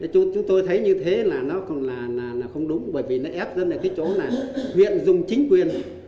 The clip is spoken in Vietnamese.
chúng tôi thấy như thế là nó còn là không đúng bởi vì nó ép dân ở cái chỗ là huyện dùng chính quyền